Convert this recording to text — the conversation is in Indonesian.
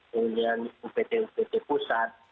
kemudian upt upt pusat